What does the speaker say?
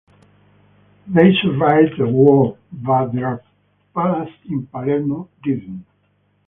They survived the war, but their palace in Palermo did not.